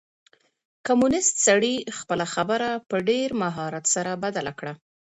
کمونيسټ سړي خپله خبره په ډېر مهارت سره بدله کړه.